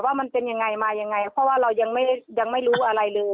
ว่ามันเป็นยังไงมายังไงเพราะว่าเรายังไม่รู้อะไรเลย